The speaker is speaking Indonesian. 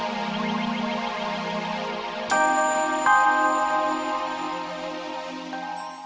sampai jumpa di video selanjutnya